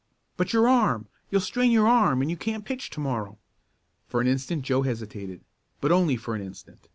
"But your arm! You'll strain your arm and you can't pitch to morrow." For an instant Joe hesitated, but only for an instant.